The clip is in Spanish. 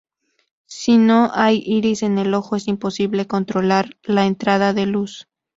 Si no hay iris en el ojo es imposible controlar la entrada de luz.